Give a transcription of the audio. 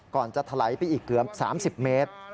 ก่อนจะถลายไปอีกเกือบ๓๐เมตร